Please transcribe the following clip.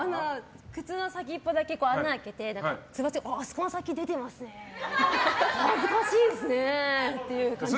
靴の先っぽだけ穴を開けてつま先出ていますね恥ずかしいですねって感じです。